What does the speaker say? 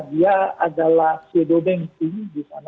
dia adalah sido banking